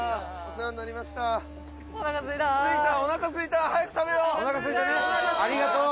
二階堂：おなかすいた！早く食べよう！